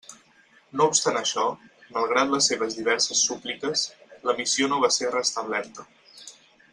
No obstant això, malgrat les seves diverses súpliques, la missió no va ser restablerta.